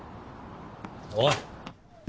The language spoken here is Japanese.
おい。